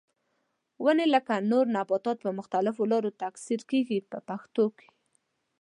ونې لکه نور نباتات په مختلفو لارو تکثیر کېږي په پښتو کې.